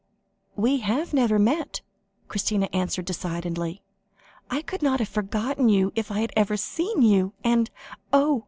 "We have never met," Christina answered decidedly. "I could not have forgotten you if I had ever seen you and oh!"